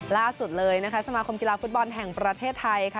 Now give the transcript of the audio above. ล่าสุดเลยนะคะสมาคมกีฬาฟุตบอลแห่งประเทศไทยค่ะ